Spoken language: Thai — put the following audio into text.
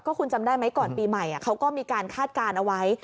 คุณจำได้ไหมก่อนปีใหม่เขาก็มีการคาดการณ์เอาไว้